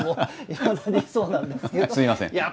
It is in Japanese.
すいません。